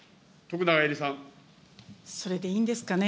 それでいいんですかね。